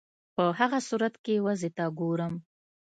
په هغه صورت کې وضع ته ګورم.